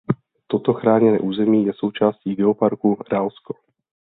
Toto chráněné území je součástí Geoparku Ralsko.